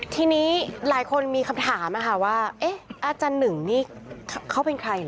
ทีนี้หลายคนมีคำถามว่าเอ๊ะอาจารย์หนึ่งนี่เขาเป็นใครเหรอ